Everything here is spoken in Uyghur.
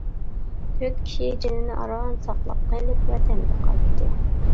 تۆت كىشى جېنىنى ئاران ساقلاپ قېلىپ ۋەتەنگە قايتتى.